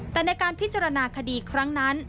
แต่ในการพิจารณาคดีครั้งนั้น